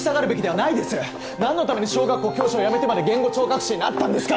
なんのために小学校教師を辞めてまで言語聴覚士になったんですか？